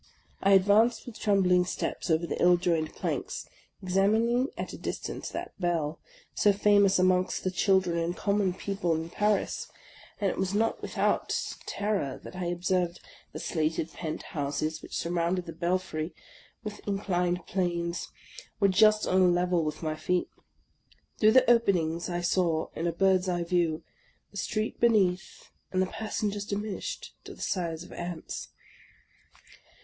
I advanced with trembling steps over the ill joined planks, examining at a distance that bell, so famous amongst the children and common people in Paris ; and it was not without terror that I observed the slated pent houses, which surrounded the belfry with inclined planes, were just on a level with my feet. Through the openings I saw, in a bird's eye view, the street beneath, and the passen gers diminished to the si^e of ants.